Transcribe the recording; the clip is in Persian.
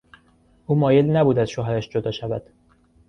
او مایل نبود از شوهرش جدا شود.